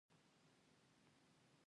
ادب او سياست: